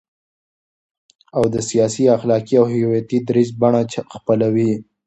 او د سیاسي، اخلاقي او هویتي دریځ بڼه خپلوي،